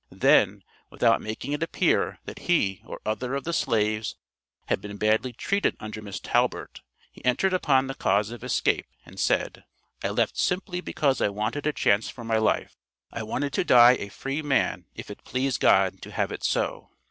Then, without making it appear that he or other of the slaves had been badly treated under Miss Talburtt, he entered upon the cause of escape, and said; "I left simply because I wanted a chance for my life; I wanted to die a free man if it pleased God to have it so."